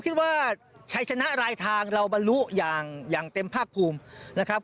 ว่าชัยชนะรายทางเราบรรลุอย่างเต็มภาคภูมินะครับ